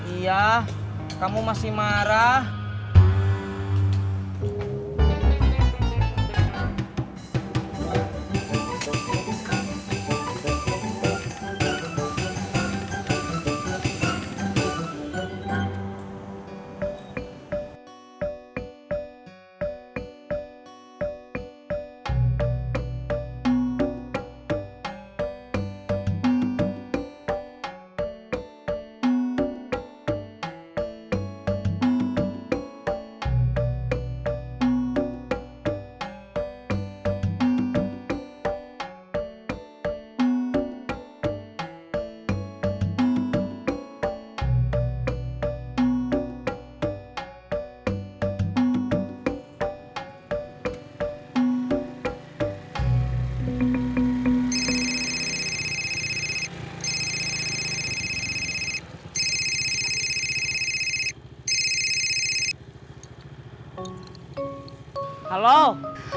iya kamu masih marah